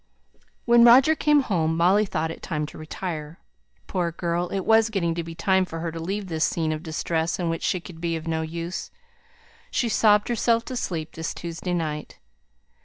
When Roger came home, Molly thought it time to retire. Poor girl! it was getting to be time for her to leave this scene of distress in which she could be of no use. She sobbed herself to sleep this Tuesday night.